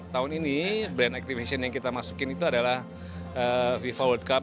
tahun ini brand activation yang kita masukin itu adalah fifa world cup